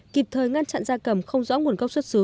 kịp thời ngăn chặn da cầm không rõ nguồn gốc xuất xứ